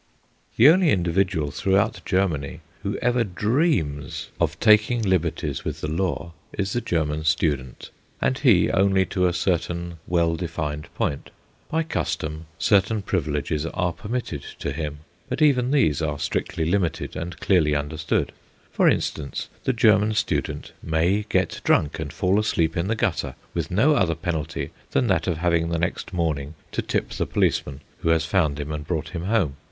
The only individual throughout Germany who ever dreams of taking liberties with the law is the German student, and he only to a certain well defined point. By custom, certain privileges are permitted to him, but even these are strictly limited and clearly understood. For instance, the German student may get drunk and fall asleep in the gutter with no other penalty than that of having the next morning to tip the policeman who has found him and brought him home.